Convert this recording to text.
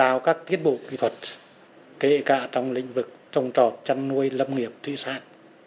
tạo các tiến bộ kỹ thuật kể cả trong lĩnh vực trồng trọt chăn nuôi lâm nghiệp trị sản